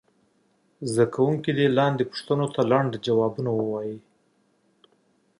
زده کوونکي دې لاندې پوښتنو ته لنډ ځوابونه ووایي.